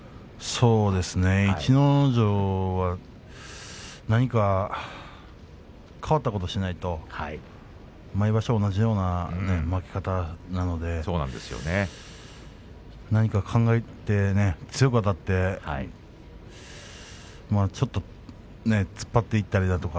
逸ノ城は何か変わったことをしないと毎場所、同じような負け方なので何か考えて強くあたってちょっと突っ張っていったりだとか